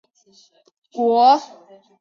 国王黎维祁叩关求救。